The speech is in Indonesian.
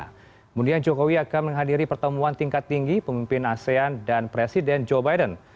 kemudian jokowi akan menghadiri pertemuan tingkat tinggi pemimpin asean dan presiden joe biden